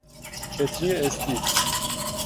کتری استیل